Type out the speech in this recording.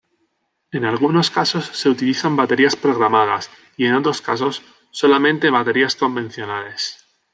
En algunos casos, se utilizan baterías programadas, y en otros casos, solamente baterías convencionales.